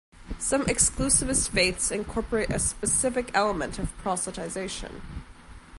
Some exclusivist faiths incorporate a specific element of proselytization.